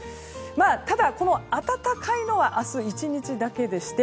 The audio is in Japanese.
ただ、この暖かいのは明日１日だけでして